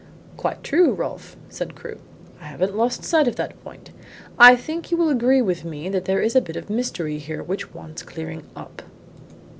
"Quite true, Rolfe," said Crewe. "I haven't lost sight of that point. I think you will agree with me that there is a bit of a mystery here which wants clearing up."